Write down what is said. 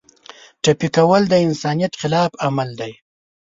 ټپي کول د انسانیت خلاف عمل دی.